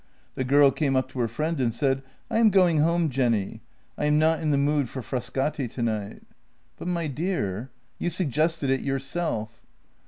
The girl came up to her friend and said: " I am going home, Jenny. I am not in the mood for Frascati to night." " But, my dear, you suggested it yourself."